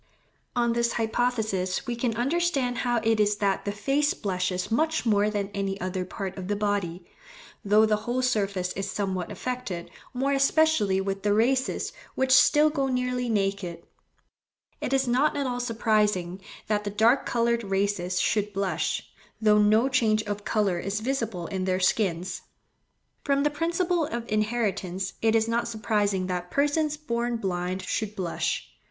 On this hypothesis we can understand how it is that the face blushes much more than any other part of the body, though the whole surface is somewhat affected, more especially with the races which still go nearly naked. It is not at all surprising that the dark coloured races should blush, though no change of colour is visible in their skins. From the principle of inheritance it is not surprising that persons born blind should blush.